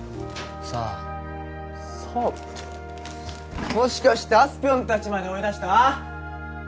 さあ「さあ」ってもしかしてあすぴょん達まで追い出した？